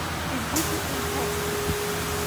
Иџьыба инҭасҵеит.